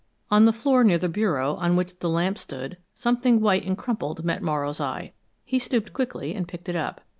On the floor near the bureau on which the lamp stood, something white and crumpled met Morrow's eye; he stooped quickly and picked it up.